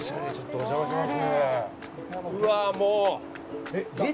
お邪魔します。